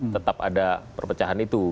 tetap ada perpecahan itu